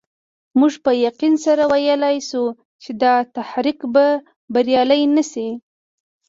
موږ په یقین سره ویلای شو چې دا تحریک به بریالی نه شي.